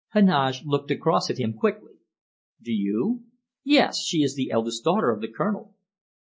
Heneage looked across at him quickly. "Do you?" "Yes! She is the eldest daughter of the Colonel!"